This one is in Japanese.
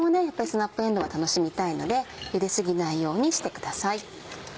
やっぱりスナップえんどうは楽しみたいので茹で過ぎないようにしてください。